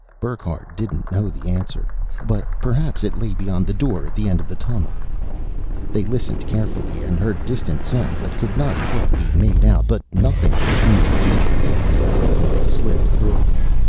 Burckhardt didn't know the answer but perhaps it lay beyond the door at the end of the tunnel. They listened carefully and heard distant sounds that could not quite be made out, but nothing that seemed dangerous. They slipped through.